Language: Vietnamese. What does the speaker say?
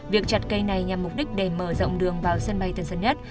việc chặt cây này nhằm mục đích để mở rộng đường vào sân bay tân sân nhất